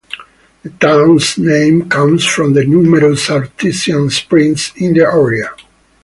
The town's name comes from the numerous artesian springs in the area.